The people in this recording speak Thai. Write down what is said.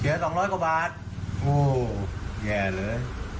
สองร้อยกว่าบาทโอ้แย่เลย